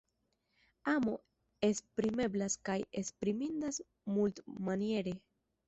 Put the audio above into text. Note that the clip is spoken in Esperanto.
Amo esprimeblas kaj esprimindas multmaniere.